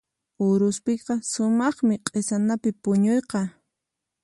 Uruspiqa sumaqmi q'isanapi puñuyqa.